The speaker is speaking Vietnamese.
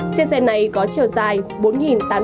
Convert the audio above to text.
chiếc xe này có chiều dài bốn tám trăm một mươi năm mm